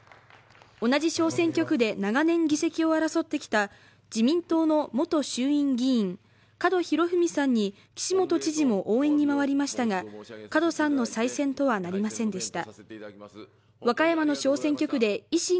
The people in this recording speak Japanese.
同じ小選挙区で長年議席を争ってきた、自民党の元衆院議員門博文さんに岸本知事も応援に回りましたが門さんの再選とはなりませんでした。